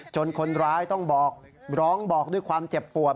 คนร้ายต้องบอกร้องบอกด้วยความเจ็บปวด